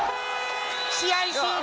試合終了！